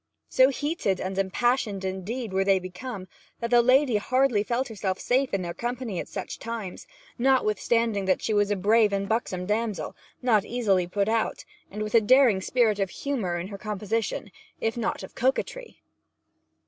So heated and impassioned, indeed, would they become, that the lady hardly felt herself safe in their company at such times, notwithstanding that she was a brave and buxom damsel, not easily put out, and with a daring spirit of humour in her composition, if not of coquetry.